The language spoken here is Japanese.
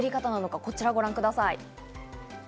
こちらをご覧ください。